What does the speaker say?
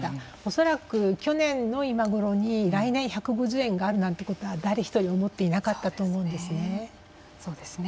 恐らく、去年の今頃に来年１５０円があるなんてことは誰一人思ってなかったと思うんですね。